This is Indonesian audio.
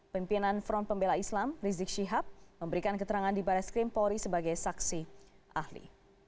pemimpinan front pembela islam rizik shihab memberikan keterangan di barat skrim polri sebagai saksi ahli